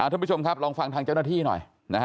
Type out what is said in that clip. ท่านผู้ชมครับลองฟังทางเจ้าหน้าที่หน่อย